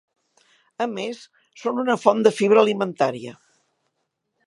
A més són una font de fibra alimentària.